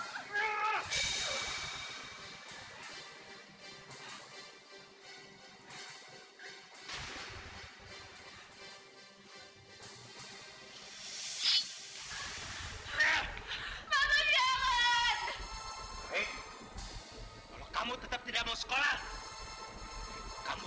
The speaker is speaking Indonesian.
supaya teman teman kamu tertarik sama kamu